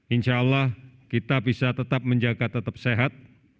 insyaallah kita bisa tetap menjaga tetap sehat